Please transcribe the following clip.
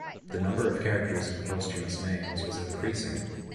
The number of characters in posthumous names was increasing.